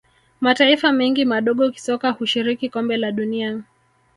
mataifa mengi madogo kisoka hushiriki kombe la dunia